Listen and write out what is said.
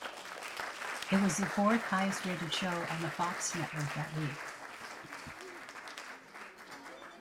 It was the fourth-highest-rated show on the Fox Network that week.